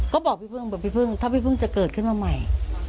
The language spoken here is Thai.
ก็บอกพี่เพิ่งถ้าพี่เพิ่งจะเกิดขึ้นมาใหม่